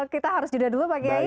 kita harus juda dulu pak kiai